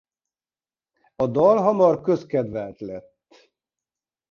A dal hamar közkedvelt lett.